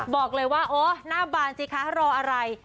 บอกเลยว่าโอ้หน้าบานสิคะรออะไร